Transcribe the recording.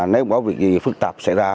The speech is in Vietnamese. nếu có việc gì phức tạp xảy ra